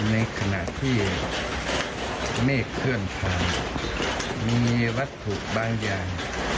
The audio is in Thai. ในขณะที่เมฆเคลื่อนผ่านมีวัตถุบางอย่าง